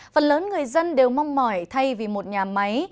phần lớn người dân đều mong mỏi thay vì một nhà máy